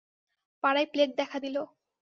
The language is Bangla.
পাড়ায় প্লেগ দেখা দিল।